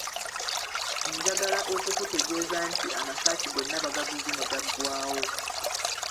Njagala okukutegeeza nti amasaati gonna bagaguze ne gaggwaawo.